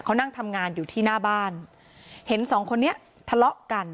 เขานั่งทำงานอยู่ที่หน้าบ้านเห็นสองคนนี้ทะเลาะกัน